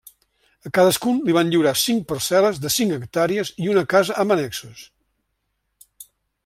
A cadascun li van lliurar cinc parcel·les de cinc hectàrees i una casa amb annexos.